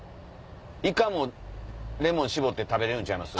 イカもレモン搾って食べれるんちゃいます？